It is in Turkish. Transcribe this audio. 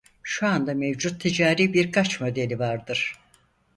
Şu anda mevcut ticari birkaç modeli vardır.